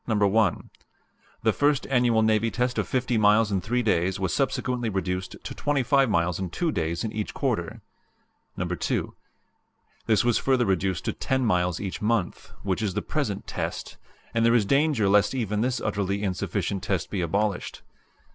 The first annual navy test of 50 miles in three days was subsequently reduced to 25 miles in two days in each quarter. "2. This was further reduced to 10 miles each month, which is the present 'test,' and there is danger lest even this utterly insufficient test be abolished.